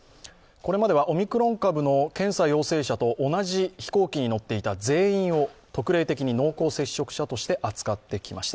これまではオミクロン株の検査陽性者と同じ飛行機に乗っていた全員を特例的に濃厚接触者として扱ってきました。